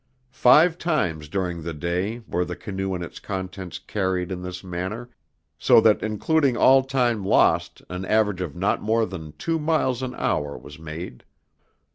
Five times during the day were the canoe and its contents carried in this manner, so that including all time lost an average of not more than two miles an hour was made.